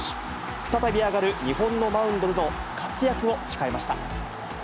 再び上がる日本のマウンドでの活躍を誓いました。